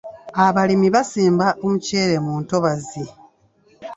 Abalimi basimba omuceere mu ntobazi.